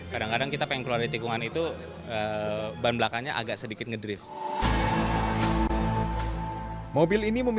kadang kadang kita pengen keluar di tikungan itu bahan belakangnya agak sedikit ngedrift